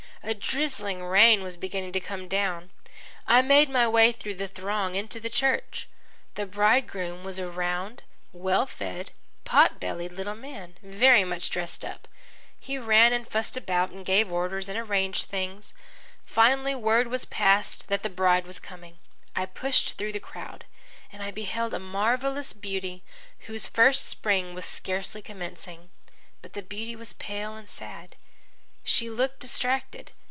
A drizzling rain was beginning to come down. I made my way through the throng into the church. The bridegroom was a round, well fed, pot bellied little man, very much dressed up. He ran and fussed about and gave orders and arranged things. Finally word was passed that the bride was coming. I pushed through the crowd, and I beheld a marvellous beauty whose first spring was scarcely commencing. But the beauty was pale and sad. She looked distracted.